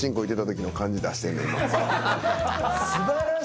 素晴らしいよ。